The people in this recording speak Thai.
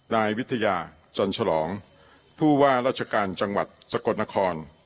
นายวิทยาจนฉลองผู้ว่าราชการจังหวัดสกลนคร